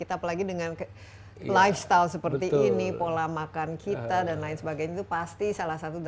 apalagi dengan lifestyle seperti ini pola makan kita dan lain sebagainya itu pasti salah satu dari